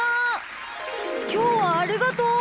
きょうはありがとう！